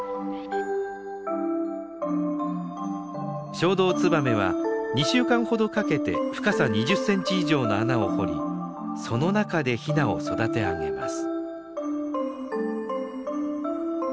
ショウドウツバメは２週間ほどかけて深さ２０センチ以上の穴を掘りその中でヒナを育て上げます。